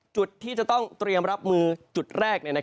จุดที่จะต้องเตรียมรับมือจุดแรก